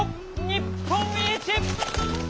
日本一！